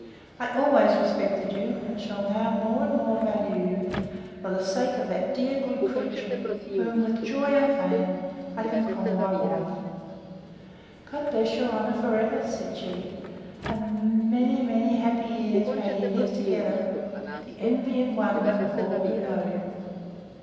I always respected you, and shall now more and more value you, for the sake of that dear good creature, whom, with joy unfeigned, I can call my wife. God bless your honour for ever! said she; and many many happy years may ye live together, the envy and wonder of all who know you!